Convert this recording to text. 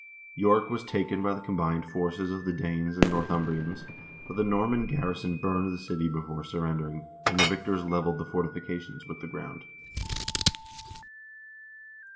York was taken by the combined forces of Danes and Northumbrians, but the Norman garrison burned the city before surrendering, and the victors leveled the forti fications with the ground.